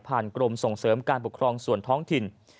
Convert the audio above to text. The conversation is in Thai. กรมส่งเสริมการปกครองส่วนท้องถิ่น